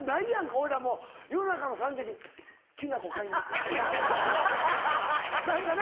俺らもう夜中の３時に「きな粉買いに行こう！」とか何かな。